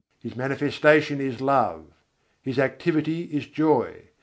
His manifestation is love; His activity is joy.